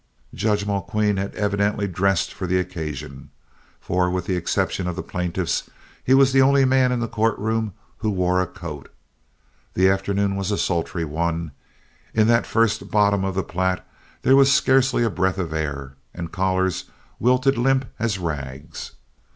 Judge Mulqueen had evidently dressed for the occasion, for with the exception of the plaintiffs, he was the only man in the court room who wore a coat. The afternoon was a sultry one; in that first bottom of the Platte there was scarcely a breath of air, and collars wilted limp as rags.